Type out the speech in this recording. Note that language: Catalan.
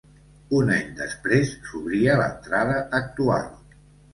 Un any després s'obria l'entrada actual.